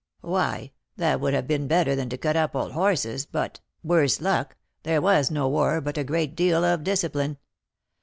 Why, that would have been better than to cut up old horses; but, worse luck, there was no war, but a great deal of discipline.